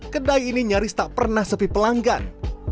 kedai ini nyaris tak pernah sepi pelanggan